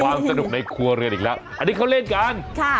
สนุกในครัวเรือนอีกแล้วอันนี้เขาเล่นกัน